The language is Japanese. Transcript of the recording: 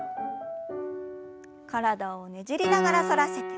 体をねじりながら反らせて。